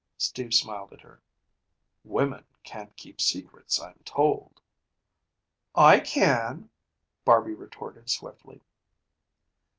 Steve smiled at her. "Women can't keep secrets, I'm told." "I can," Barby retorted swiftly.